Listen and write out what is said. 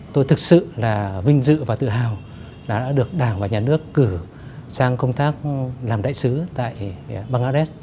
tôi thực sự là vinh dự và tự hào đã được đảng và nhà nước cử sang công tác làm đại sứ tại băng la đét